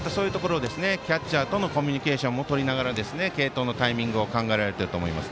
キャッチャーとのコミュニケーションもとりながら、継投のタイミングを考えられていると思います。